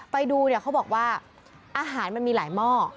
ไปดูเนี่ยเขาบอกว่าอาหารมันมีหลายหม้อ